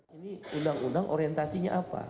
ini undang undang orientasinya apa